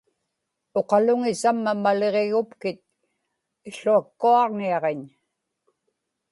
uqaluŋi samma maliġigupkit iłuakkuaġniaġiñ